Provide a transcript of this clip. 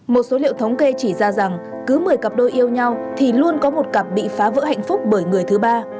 một số liệu thống kê chỉ ra rằng cứ một mươi cặp đôi yêu nhau thì luôn có một cặp bị phá vỡ hạnh phúc bởi người thứ ba